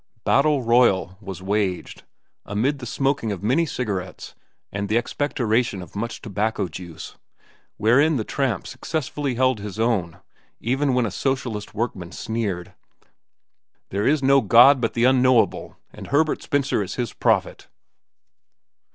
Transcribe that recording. Battle royal was waged, amid the smoking of many cigarettes and the expectoration of much tobacco juice, wherein the tramp successfully held his own, even when a socialist workman sneered, "There is no god but the Unknowable, and Herbert Spencer is his prophet."